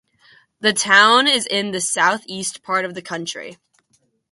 The town is in the southeast part of the county.